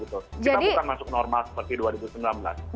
kita bukan masuk normal seperti dua ribu sembilan belas